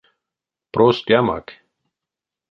Простямак.